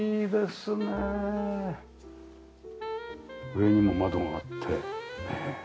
上にも窓があってねえ。